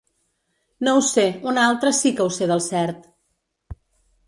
No ho sé, una altra sí que ho sé del cert.